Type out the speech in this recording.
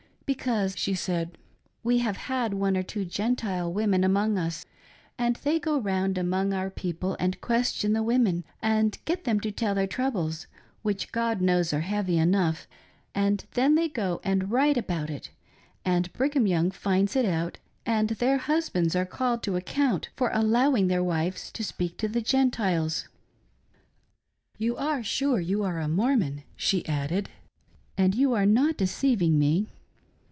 '" "Because," she said, "We have had one or two Gentile women among us, and they go round among our people and question the women, and get them to tell their troubles, which God knows are heavy enough, and then they go and write about it, and Brigham Young finds it out, and their husbands are called to account for allowing their wives to speak to the Gentiles. You are sure you are a Mormon .'" she added, " and you are not deceiving me